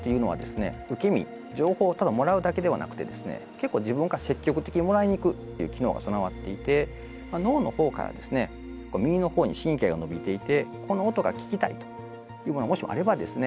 情報をただもらうだけではなくてですね結構自分が積極的にもらいに行くっていう機能が備わっていて脳の方からですね耳の方に神経が伸びていてこの音が聞きたいというものがもしもあればですね